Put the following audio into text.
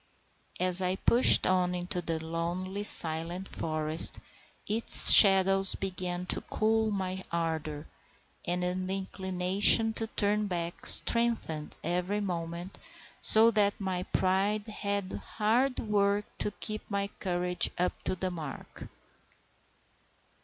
As I pushed on into the lonely, silent forest, its shadows began to cool my ardour, and the inclination to turn back strengthened every moment, so that my pride had hard work to keep my courage up to the mark.